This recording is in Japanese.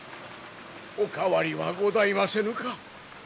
お変わりはございませぬか。